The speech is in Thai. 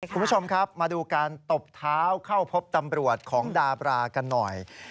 คุณผู้ชมครับมาดูการตบเท้าเข้าพบตำรวจของดาบรากันหน่อย